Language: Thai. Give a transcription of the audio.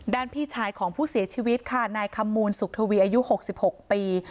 พี่ชายของผู้เสียชีวิตค่ะนายคำมูลสุขทวีอายุ๖๖ปี